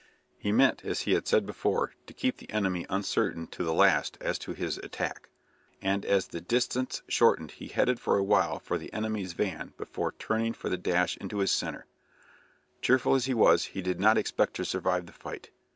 He meant, as he had said before, to keep the enemy uncertain to the last as to his attack, and as the distance shortened he headed for a while for the enemy's van before turning for the dash into his centre. Cheerful as he was, he did not expect to survive the fight.